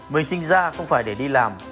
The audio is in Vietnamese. mình trinh ra không phải để đi làm